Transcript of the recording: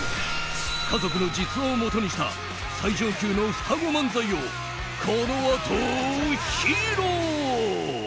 家族の実話をもとにした最上級の双子漫才をこのあと披露。